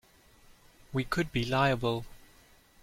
We could be liable.